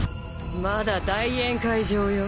まだ大宴会場よ。